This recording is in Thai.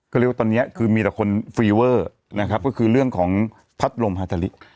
ก็เรียกว่าตอนนี้คือมีแต่คนฟีเวอร์นะครับก็คือเรื่องของพัดลมฮาตาลิ